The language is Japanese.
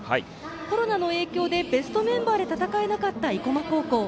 コロナの影響でベストメンバーで戦えなかった生駒高校。